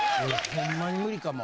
ホンマに無理かも。